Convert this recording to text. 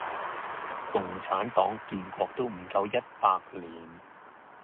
共產黨建國都唔夠一百年